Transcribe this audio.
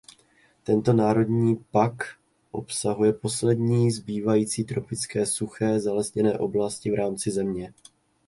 Tento národní pak obsahuje poslední zbývající tropické suché zalesněné oblasti v rámci země.